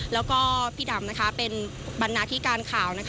แล้วก็พี่ดำเป็นบรรณาธิการข่าว